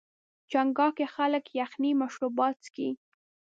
چنګاښ کې خلک یخني مشروبات څښي.